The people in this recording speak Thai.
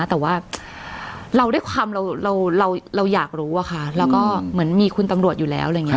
แต่ว่าเราด้วยความเราเราอยากรู้อะค่ะแล้วก็เหมือนมีคุณตำรวจอยู่แล้วอะไรอย่างนี้